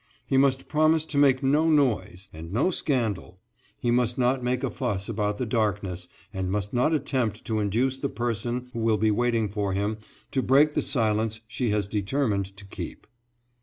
He must promise to make no noise, and no scandal; he must not make a fuss about the darkness, and must not attempt to induce the person who will be waiting for him to break the silence she has determined to keep.